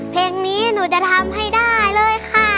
เพลงนี้หนูจะทำให้ได้เลยค่ะ